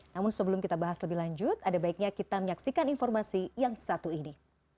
namun sebelum kita bahas lebih lanjut ada baiknya kita menyaksikan informasi yang satu ini